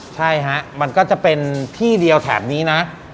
ใช่ฮะมันก็จะเป็นที่เดียวแถบนี้นะ